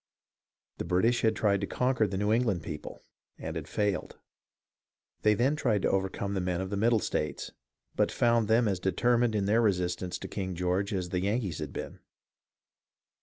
The British had tried to conquer the New England people, and had failed. They then tried to overcome the men of the Middle states, but found them as determined in their resistance to King George as the Yankees had been.